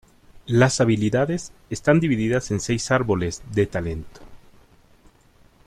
Las habilidades están divididas en seis árboles de talento.